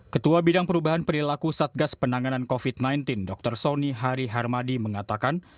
ketua bidang perubahan perilaku satgas penanganan covid sembilan belas dr sony hari harmadi mengatakan